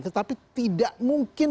tetapi tidak mungkin